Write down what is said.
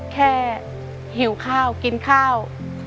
หิวข้าวกินข้าว